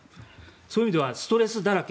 そういう意味ではストレスだらけ。